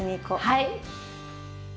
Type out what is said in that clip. はい。